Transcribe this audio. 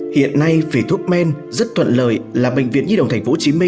hiện nay về thuốc men rất thuận lời là bệnh viện nhi đồng tp hcm